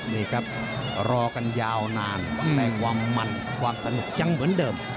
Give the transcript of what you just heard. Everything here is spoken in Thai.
นี่ครับรอกันยาวนานในความมันความสนุกยังเหมือนเดิม